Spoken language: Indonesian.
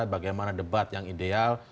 bagaimana debat yang ideal